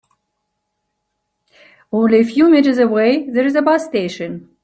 Only a few meters away there is a bus station.